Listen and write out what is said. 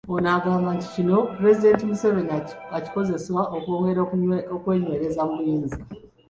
Ono agamba nti kino Pulezidenti Museveni akikozesa okwongera okwenywereza mu buyinza.